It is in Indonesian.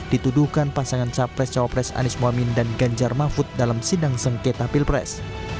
dituduhkan pasangan capres cawapres anies mohamin dan ganjar mahfud dalam sidang sengketa pilpres